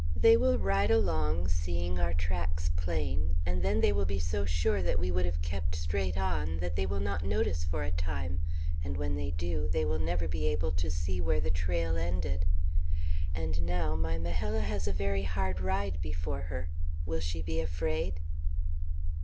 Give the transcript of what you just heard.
They will ride along, seeing our tracks plain, and then they will be so sure that we would have kept straight on, that they will not notice for a time; and when they do, they will never be able to see where the trail ended. And now my Majella has a very hard ride before her. Will she be afraid?"